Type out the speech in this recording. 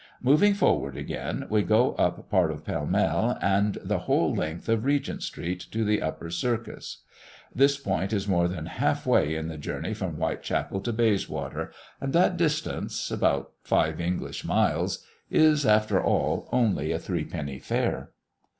Moving forward again, we go up part of Pall Mall and the whole length of Regent Street to the upper Circus. This point is more than half way in the journey from Whitechapel to Bayswater, and that distance above five English miles is, after all, only a three penny fare.